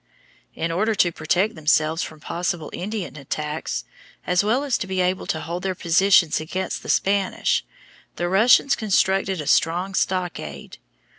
In order to protect themselves from possible Indian attacks as well as to be able to hold their position against the Spanish, the Russians constructed a strong stockade.